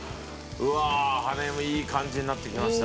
うわあ羽根もいい感じになってきましたね。